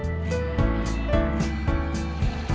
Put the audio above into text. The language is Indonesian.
terima kasih a